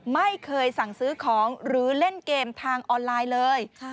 ไม่เคยสั่งซื้อของหรือเล่นเกมทางออนไลน์เลย